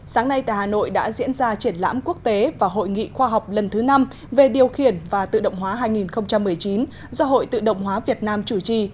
sáng nay tại hà nội đã diễn ra triển lãm quốc tế và hội nghị khoa học lần thứ năm về điều khiển và tự động hóa hai nghìn một mươi chín do hội tự động hóa việt nam chủ trì